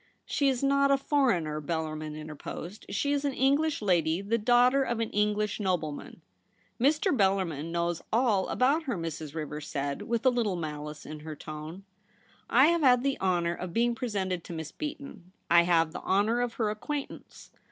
* She is not a foreigner,' Bellarmin inter posed. ' She is an English lady, the daughter of an English nobleman.' * Mr. Bellarmin knows ^// about her,' Mrs. Rivers said, with a little malice in her tone. ' I have had the honour of being presented to Miss Beaton; I have the honour of her acquaintance.